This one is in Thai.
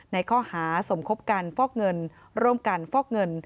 ในข้อหาสมคบกันฟอกเงินร่วมกันฟอกเงิน